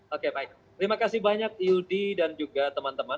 oke baik terima kasih banyak yudi dan juga teman teman